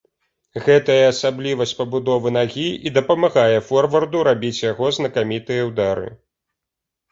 Гэтая асаблівасць пабудовы нагі і дапамагае форварду рабіць яго знакамітыя ўдары.